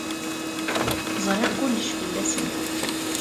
Zṛiɣ kullec fell-asen.